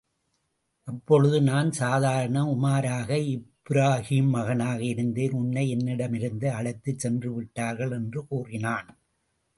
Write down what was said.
அப்பொழுது, நான் சாதாரண உமாராக, இபுராகீம் மகனாக இருந்தேன் உன்னை என்னிடமிருந்து அழைத்துச் சென்று விட்டார்கள். என்று கூறினான்.